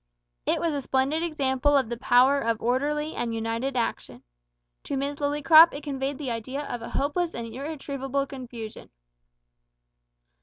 It was a splendid example of the power of orderly and united action. To Miss Lillycrop it conveyed the idea of hopeless and irretrievable confusion!